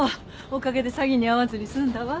おかげで詐欺に遭わずに済んだわ。